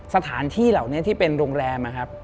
สถานที่เหล่านี้ที่เป็นโรงแรมนะครับ